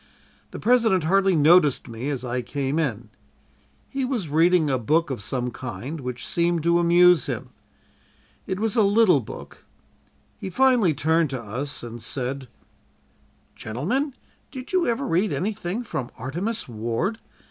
The President hardly noticed me as I came in. He was reading a book of some kind which seemed to amuse him. It was a little book. He finally turned to us and said: "'Gentlemen, did you ever read anything from "Artemus Ward?"